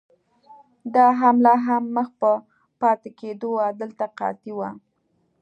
دا حمله هم مخ په پاتې کېدو وه، دلته قحطي وه.